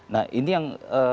nah ini yang